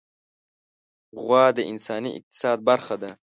غوا د انساني اقتصاد برخه ده.